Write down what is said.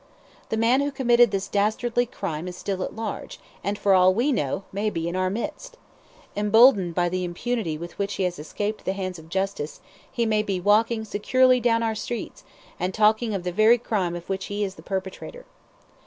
The man who committed this dastardly crime is still at large, and, for all we know, may be in our midst. Emboldened by the impunity with which he has escaped the hands of justice, he may be walking securely down our streets, and talking of the very crime of which he is the perpetrator.